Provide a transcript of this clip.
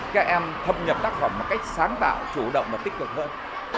các em thâm nhập tác phẩm một cách sáng tạo chủ động và tích cực hơn